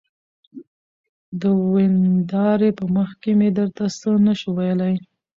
د ويندارې په مخکې مې درته څه نشوى ويلى.